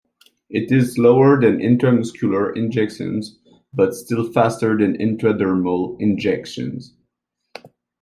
It is slower than intramuscular injections but still faster than intradermal injections.